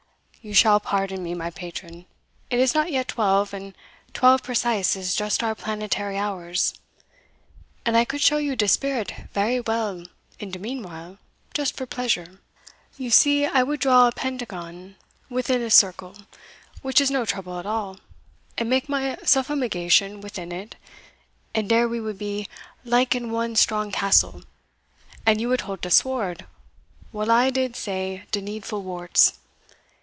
"You shall pardon me, my patron; it is not yet twelve, and twelve precise is just our planetary hours; and I could show you de spirit vary well, in de meanwhile, just for pleasure. You see I would draw a pentagon within a circle, which is no trouble at all, and make my suffumigation within it, and dere we would be like in one strong castle, and you would hold de sword while I did say de needful worts.